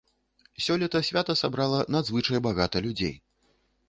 Сёлета свята сабрала надзвычай багата людзей.